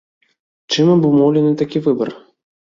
Чым абумоўлены такі выбар?